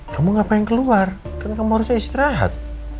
kamu gak pengen keluar kan kamu harusnya istirahat